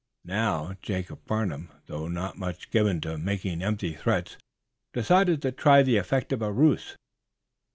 Now, Jacob Farnum, though not much given to making empty threats, decided to try the effect of a ruse.